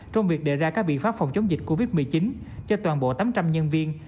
trong việc đề ra các biện pháp phòng chống dịch covid một mươi chín cho toàn bộ tám trăm linh nhân viên